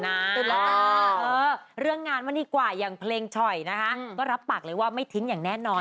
หรอกเรื่องงานวันนี้กว่ายังเพลงฉ่อยน่ามารับปากอีกว่าไม่ทิ้งอย่างแน่นอน